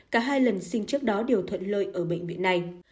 cả hai lần sinh trước đó đều thuận lợi ở bệnh viện này